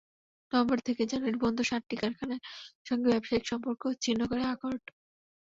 November থেকে January পর্যন্ত সাতটি কারখানার সঙ্গে ব্যবসায়িক সম্পর্ক ছিন্ন করে অ্যাকর্ড।